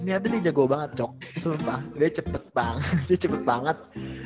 niatin nih jago banget cok sumpah dia cepet banget